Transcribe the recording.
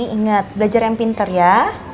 ingat belajar yang pinter ya